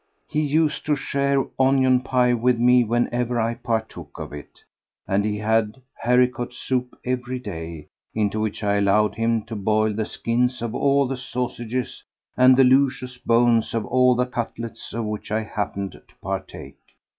He used to share onion pie with me whenever I partook of it, and he had haricot soup every day, into which I allowed him to boil the skins of all the sausages and the luscious bones of all the cutlets of which I happened to partake.